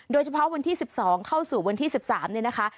โดยเฉพาะวันที่๑๒เข้าสู่วันที่๑๓เนี่ยนะคะ